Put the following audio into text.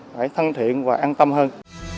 phải thân thiện và an tâm hơn